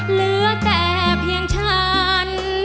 เหลือแต่เพียงฉัน